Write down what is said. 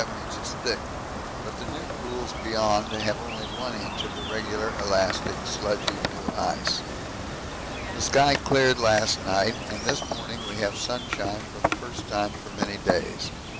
In Arrival Bay it is 6 to 7 inches thick, but the new pools beyond have only I inch of the regular elastic sludgy new ice. The sky cleared last night, and this morning we have sunshine for the first time for many days.